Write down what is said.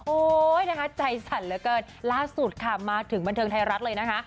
โอ๊ยนะคะใจสั่นเหลือเกินล่าสุดค่ะมาถึงบันเทิงไทยรัฐเลยนะคะ